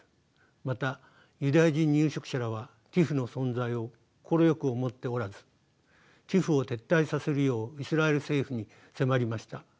またユダヤ人入植者らはＴＩＰＨの存在を快く思っておらずＴＩＰＨを撤退させるようイスラエル政府に迫りました。